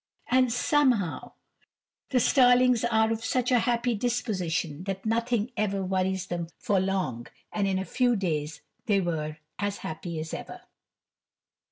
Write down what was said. And somehow the starlings are of such a happy disposition that nothing ever worries them for long, and in a few days they were as happy as ever.